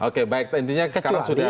oke baik intinya sekarang sudah